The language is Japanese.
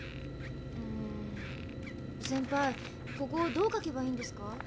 ここどう書けばいいんですか？